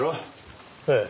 ええ。